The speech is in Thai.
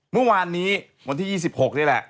เมื่อวานนี้วันที่๒๖นี่แหละ